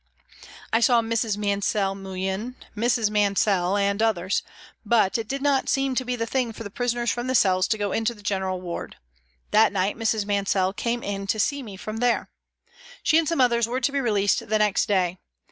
I saw Mrs. Mansell Moullin, Mrs. Mansel and others, but it did not seem to be the thing for the prisoners from the cells to go into the general ward. That night Mrs. Mansel came in to see me from there. She and some others were to be released the next day.